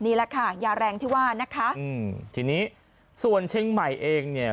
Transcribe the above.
นี่แหละค่ะยาแรงที่ว่านะคะอืมทีนี้ส่วนเชียงใหม่เองเนี่ย